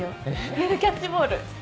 夜キャッチボール。